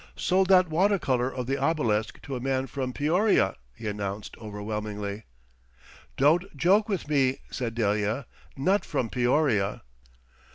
"Sold that watercolour of the obelisk to a man from Peoria," he announced overwhelmingly. "Don't joke with me," said Delia, "not from Peoria!"